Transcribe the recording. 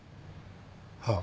はあ。